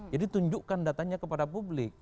jadi tunjukkan datanya kepada publik